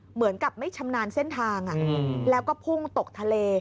เหมือนกับไม่ชำนาญเส้นทางแล้วก็พุ่งตกทะเล